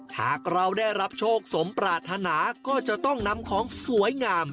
หากเราได้รับโชคสมปรารถนาก็จะต้องนำของสวยงาม